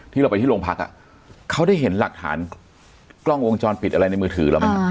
ที่เราไปที่โรงพักเขาได้เห็นหลักฐานกล้องวงจรปิดอะไรในมือถือเราไหมครับ